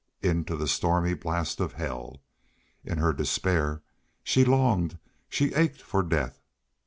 Into the stormy blast of hell! In her despair she longed, she ached for death.